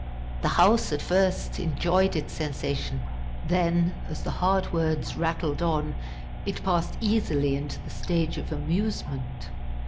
The House at first enjoyed its sensation. Then, as the hard words rattled on, it passed easily into the stage of amusement.